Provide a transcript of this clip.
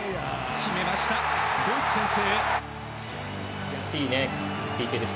決めました、ドイツ先制。